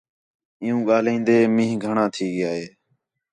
عیوں ڳاھلین٘دین مِین٘ہ گھݨاں تھی ڳِیا ہِے